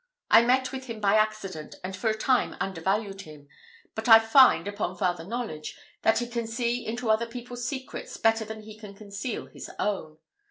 I met with him by accident, and for a time undervalued him; but I find, upon farther knowledge, that he can see into other people's secrets better than he can conceal his own.